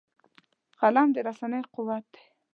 قلم د رسنۍ قوت دی